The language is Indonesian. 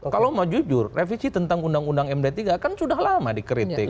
kalau mau jujur revisi tentang undang undang md tiga kan sudah lama dikritik